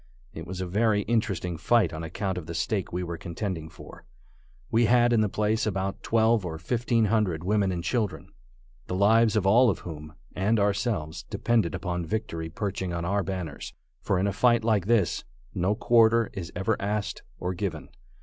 It was a very interesting fight on account of the stake we were contending for. We had in the place about twelve or fifteen hundred women and children, the lives of all of whom, and of ourselves, depended upon victory perching on our banners; for in a fight like this, no quarter is ever asked or given.